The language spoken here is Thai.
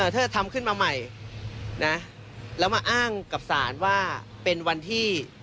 ถ้าทำขึ้นมาใหม่นะแล้วมาอ้างกับศาลว่าเป็นวันที่